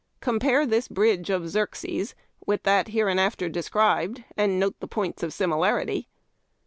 Compare this bridge of Xerxes with that hereinafter de scribed, and note the points of similarity.